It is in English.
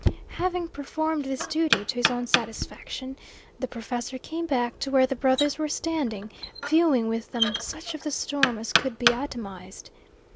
Having performed this duty to his own satisfaction, the professor came back to where the brothers were standing, viewing with them such of the storm as could be itemised.